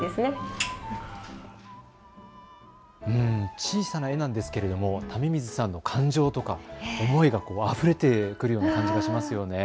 小さな絵なんですけれども為水さんの感情とか思いがあふれてくるような感じがしますね。